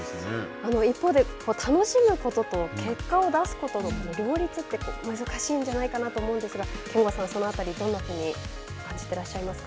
一方で、楽しむことと結果を出すことの両立って、難しいんじゃないかなと思うんですが、そのあたり、どういうふうに感じていらっしゃいますか。